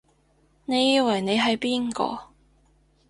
你以為你係邊個？